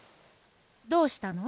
どうしたの？